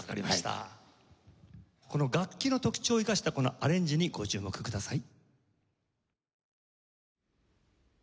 楽器の特徴を生かしたアレンジにご注目ください。